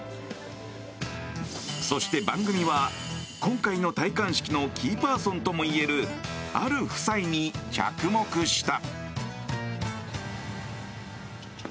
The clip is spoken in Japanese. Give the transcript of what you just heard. そして、番組は今回の戴冠式のキーパーソンともいえるある夫妻に着目した。